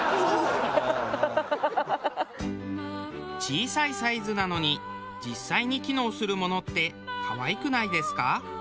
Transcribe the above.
小さいサイズなのに実際に機能するものって可愛くないですか？